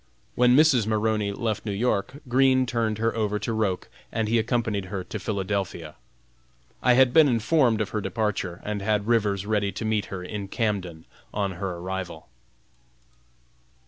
When Mrs. Maroney left New York, Green turned her over to Roch and he accompanied her to Philadelphia. I had been informed of her departure and had Rivers ready to meet her in Camden on her arrival.